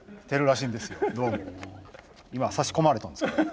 今差し込まれたんですけど。